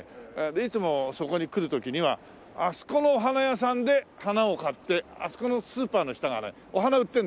いつもそこに来る時にはあそこのお花屋さんで花を買ってあそこのスーパーの下がねお花売ってるんですよ。